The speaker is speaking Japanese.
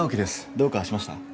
どうかしました？